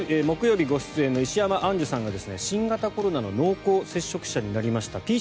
木曜日ご出演の石山アンジュさんが新型コロナの濃厚接触者になりました。